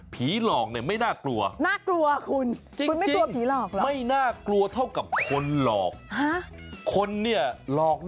ผีหลอกหรือเปล่าเป็นเกี่ยว